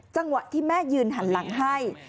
จังหวะที่แม่ยืนหันหลังให้